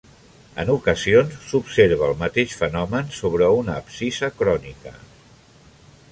En ocasions, s'observa el mateix fenomen sobre una abscissa crònica.